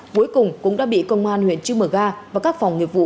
cuối cùng cũng đã bị công an huyện trư mở ga và các phòng nghiệp vụ